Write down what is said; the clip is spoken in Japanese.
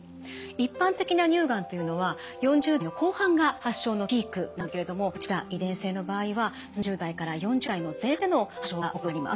一般的な乳がんというのは４０代の後半が発症のピークなんですけれどもこちら遺伝性の場合は３０代から４０代の前半での発症が多くなります。